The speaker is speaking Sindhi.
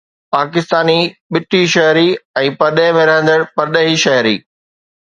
پاڪستاني ٻٽي شهري ۽ پرڏيهه ۾ رهندڙ پرڏيهي شهري